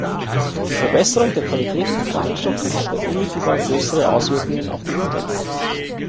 Die Verbesserung der Qualität von Kraftstoffen hätte unmittelbar größere Auswirkungen auf die Umwelt.